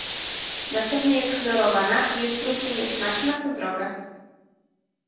Następnie jest chlorowana i jest równie niesmaczna, co droga